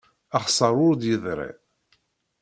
Axessar ur d-yeḍri.